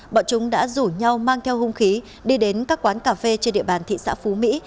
bọn chúng đã rủ nhau mang theo hung khí đi đến các quán cà phê trên địa bàn thị xã phú mỹ